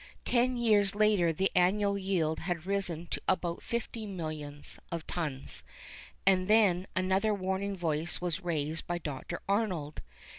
Ten years later the annual yield had risen to about fifty millions of tons; and then another warning voice was raised by Dr. Arnold.